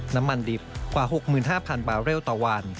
น้ำมันดิบกว่า๖๕๐๐บาร์เรลต่อวัน